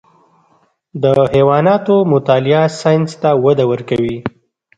د حیواناتو مطالعه ساینس ته وده ورکوي.